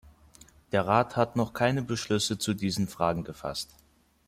Der Rat hat noch keine Beschlüsse zu diesen Fragen gefasst.